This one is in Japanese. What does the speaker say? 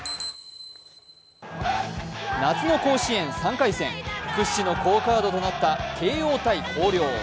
夏の甲子園３回戦屈指の好カードとなった慶応対広陵。